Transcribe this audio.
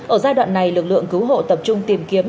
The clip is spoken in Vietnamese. ở giai đoạn này lực lượng cứu hộ tập trung tìm kiếm